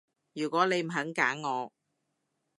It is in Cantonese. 如果你唔肯揀我